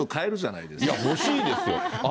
いや、欲しいですよ。